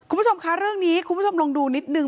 คุณผู้ชมคะเรื่องนี้คุณผู้ชมลองดูนิดนึง